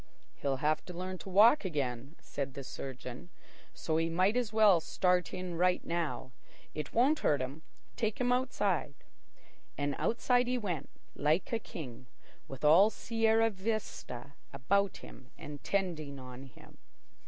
"He'll have to learn to walk again," said the surgeon; "so he might as well start in right now. It won't hurt him. Take him outside." And outside he went, like a king, with all Sierra Vista about him and tending on him.